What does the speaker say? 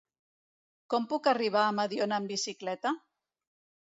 Com puc arribar a Mediona amb bicicleta?